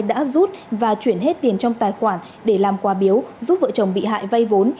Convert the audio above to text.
đã rút và chuyển hết tiền trong tài khoản để làm quà biếu giúp vợ chồng bị hại vay vốn